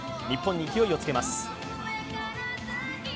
日本に勢いをつけます。